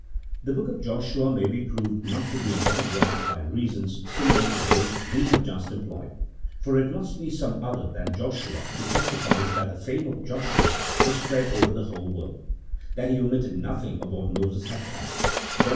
The book of Joshua may be proved not to be an auto graph by reasons similar to those we have just employed : for it must be some other than Joshua who testifies that the fame of Joshua was spread over the whole world; that lie omitted nothing of what Moses had taught (Josh.